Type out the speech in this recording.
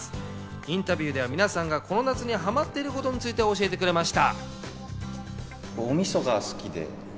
インタビューでは皆さんがこの夏にはまっていることについてお教えてくれました。